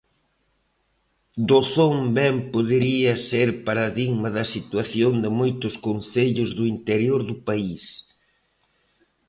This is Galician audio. Dozón ben podería ser paradigma da situación de moitos concellos do interior do país.